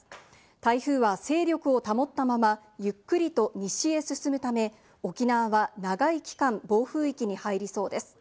台風は勢力を保ったままゆっくりと西へ進むため、沖縄は長い期間、暴風域に入りそうです。